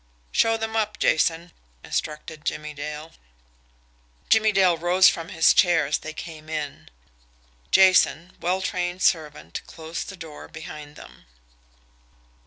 "Show them up, Jason," instructed Jimmie Dale. Jimmie Dale rose from his chair as they came in. Jason, well trained servant, closed the door behind them.